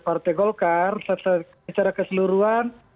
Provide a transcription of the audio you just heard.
partai golkar secara keseluruhan